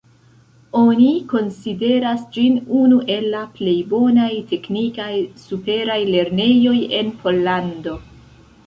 Oni konsideras ĝin unu el la plej bonaj teknikaj superaj lernejoj en Pollando.